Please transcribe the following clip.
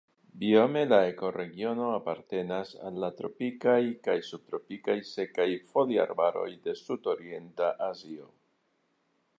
Biome la ekoregiono apartenas al la tropikaj kaj subtropikaj sekaj foliarbaroj de Sudorienta Azio.